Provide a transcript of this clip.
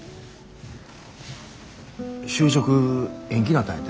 就職延期なったんやて？